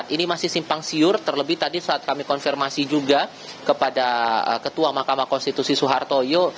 ini masih simpang siur terlebih tadi saat kami konfirmasi juga kepada ketua mahkamah konstitusi suhartoyo